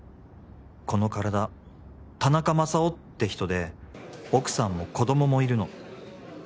「この体田中マサオって人で奥さんも子供もいるの」